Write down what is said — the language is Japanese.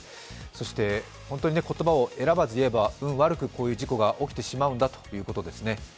そして、本当に言葉を選ばず言えば、運悪く起きてしまうんだということですね。